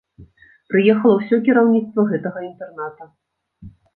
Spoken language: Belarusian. Прыехала ўсё кіраўніцтва гэтага інтэрната.